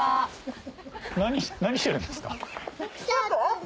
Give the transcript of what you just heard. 何してるんですか？